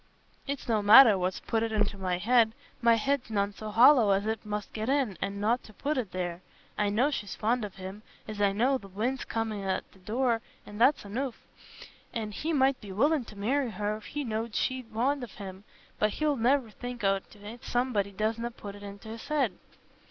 "It's no matter what's put it into my head. My head's none so hollow as it must get in, an' nought to put it there. I know she's fond on him, as I know th' wind's comin' in at the door, an' that's anoof. An' he might be willin' to marry her if he know'd she's fond on him, but he'll ne'er think on't if somebody doesna put it into's head."